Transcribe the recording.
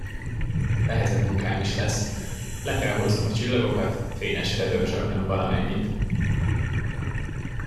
Nehezebb munkám is lesz: le kell hoznom a csillagokat, fényesre dörzsölnöm valamennyit.